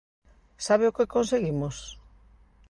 ¿Sabe o que conseguimos?